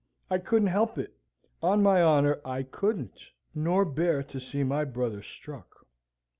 I couldn't help it; on my honour I couldn't; nor bear to see my brother struck."